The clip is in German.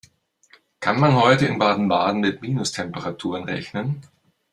Kann man heute in Baden-Baden mit Minustemperaturen rechnen?